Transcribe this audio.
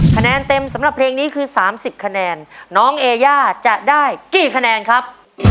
คะแนนเต็มสำหรับเพลงนี้คือ๓๐คะแนนน้องเอย่าจะได้กี่คะแนนครับ